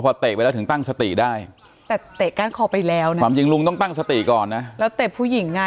เพื่อให้มาตั้งสติดอนหลัง